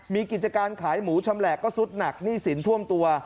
มีกิจการขายหมูชำแหละก็สุดหนักหนี้สินท่วมตัว